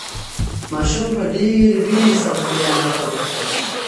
ماشوم په ډېرې وېرې سره خپلې انا ته وکتل.